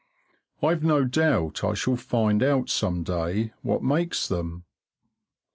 I've no doubt I shall find out some day what makes them.